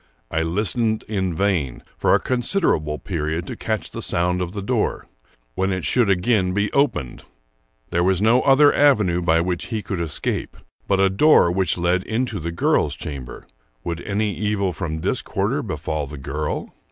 I listened in vain for a considerable period to catch the sound of the door when it should again be opened. There was no other avenue by which he could escape, but a door which led into the girl's chamber. Would any evil from this quarter befall the girl?